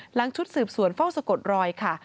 ชุดสืบสวนเฝ้าสะกดรอยค่ะ